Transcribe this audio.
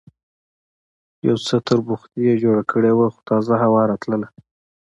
یو څه تربوختي یې جوړه کړې وه، خو تازه هوا راتلله.